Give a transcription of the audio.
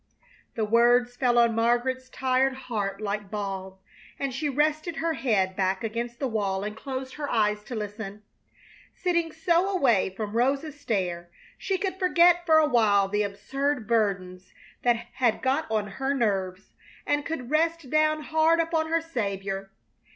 '" The words fell on Margaret's tired heart like balm, and she rested her head back against the wall and closed her eyes to listen. Sitting so away from Rosa's stare, she could forget for a while the absurd burdens that had got on her nerves, and could rest down hard upon her Saviour.